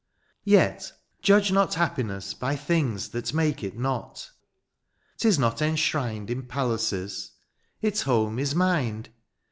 76 Yet^ judge not happiness by things That make it not ; ^tis not enshrined In palaces ; its home is mind